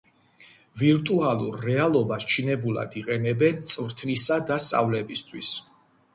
ვირტუალურ რეალობას ჩინებულად იყენებენ წვრთნისა და სწავლებისთვის.